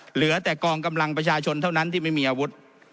เหลือแต่กองกำลังประชาชนเท่านั้นที่ไม่มีอาวุธ